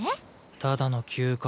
ただの休暇。